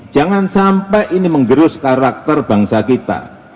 jangan sampai ini menggerus karakter bangsa kita